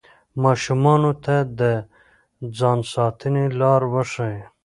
ماشومانو ته د ځان ساتنې لارې وښایئ.